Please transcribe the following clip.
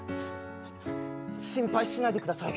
心配しないでください。